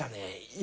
今。